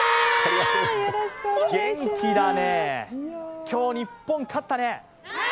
元気だね、今日、日本勝ったね。